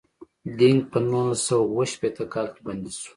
دینګ په نولس سوه اووه شپیته کال کې بندي شو.